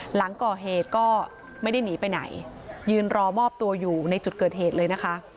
หลังก่อเหตุก็ไม่ได้หนีไปไหนยืนรอมอบตัวอยู่ในจุดเกิดเหตุเลยนะคะ